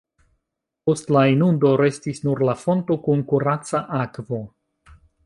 Post la inundo restis nur la fonto kun kuraca akvo.